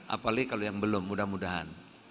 apalagi kalau yang belum mudah mudahan